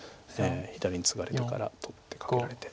左にツガれてから取ってカケられて。